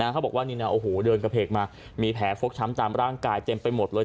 เขาบอกว่านี่นะโอ้โหเดินกระเพกมามีแผลฟกช้ำตามร่างกายเต็มไปหมดเลย